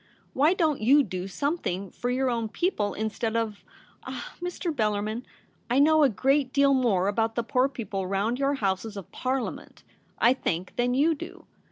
Why don't you do some thing for your own people instead of — ah ! Mr. Beilarmin, I know a great deal more about the poor people round your Houses of Parliament, I think, than you do.